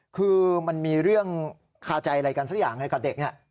คือมันมีเรื่องคาใจอะไรกันสักอย่างให้กับเด็ก